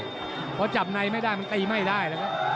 เพราะจับไนไม่ได้มันตีไม่ได้